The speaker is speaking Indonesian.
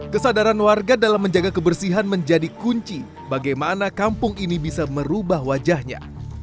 kesadaran warga dalam menjaga kebersihan menjadi kunci bagaimana kampung ini bisa merubah wajahnya